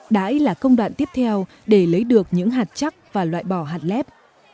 đãi là công đoạn tiếp theo để lấy được những hạt chắc và loại bỏ hạt lép